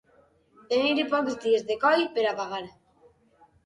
Tenir pocs dies de coll per a pagar.